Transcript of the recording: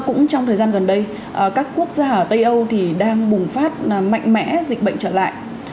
cũng trong thời gian gần đây các quốc gia ở tây âu thì đang bùng phát mạnh mẽ dịch bệnh trở lại